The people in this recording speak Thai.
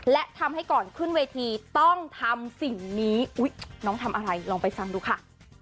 และทำให้ก่อนขึ้นเวทีต้องทำสิ่งนี้น้องทำอะไรลองไปฟังดูค่ะ